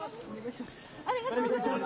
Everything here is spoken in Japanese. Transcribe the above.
ありがとうございます。